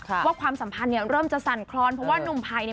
ครับว่าความสัมภัณฑ์เนี่ยเริ่มจะสั่นครน